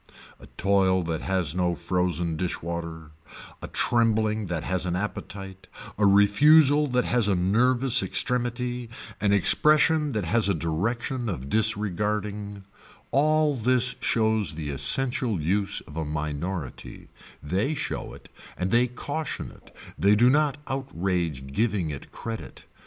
A toil that has no frozen dish water, a trembling that has an appetite, a refusal that has a nervous extremity, an expression that has a direction of disregarding, all this shows the essential use of a minority, they show it and they caution it, they do not outrage giving it credit.